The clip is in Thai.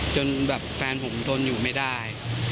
จนแบบแฟนผมทนอยู่ไม่ได้